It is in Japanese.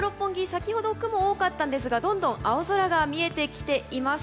先ほど雲が多かったんですがどんどん青空が見えてきています。